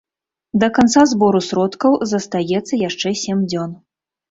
Да канца збору сродкаў застаецца яшчэ сем дзён.